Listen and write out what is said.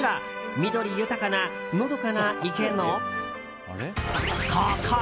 緑豊かなのどかな池のここ！